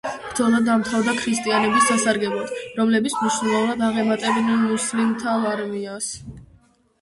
ბრძოლა დამთავრდა ქრისტიანების სასარგებლოდ, რომლებიც მნიშვნელოვნად აღემატებოდნენ მუსლიმთა არმიას.